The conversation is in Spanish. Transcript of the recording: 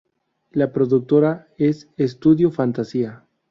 La productora es Studio Fantasia.